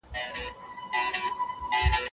روښانه فکر ژوند نه ځنډوي.